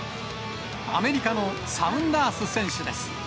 アメリカのサウンダース選手です。